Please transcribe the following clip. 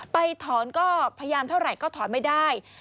ไปถอนก็พยายามเท่าไหร่ก็ถอนไม่ได้